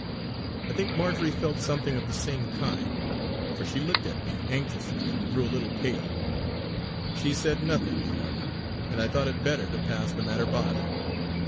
I think Marjory felt something of the same kind, for she looked at me anxiously and grew a little pale. She said nothing, however, and I thought it better to pass the matter by.